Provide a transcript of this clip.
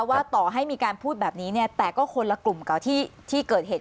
ว่าต่อให้มีการพูดแบบนี้เนี่ยแต่ก็คนละกลุ่มกับที่เกิดเหตุ